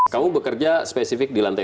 kamu bekerja spesifik di lantai tiga